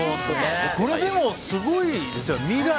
これでもすごいですね未来